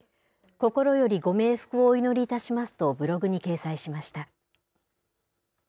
心よりご冥福をお祈りいたしますとブログに掲載しました。